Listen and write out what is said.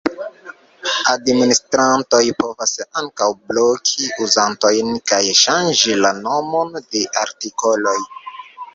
Administrantoj povas ankaŭ bloki uzantojn kaj ŝanĝi la nomon de artikoloj.